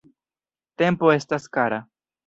Tempo estas kara.